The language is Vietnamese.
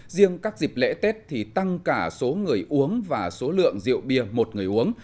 riêng các dịp lễ tết thì tăng cả số người uống và số lượng rượu bia một người uống